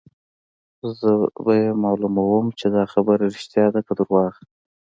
زه به يې معلوموم چې دا خبره ريښتیا ده که درواغ.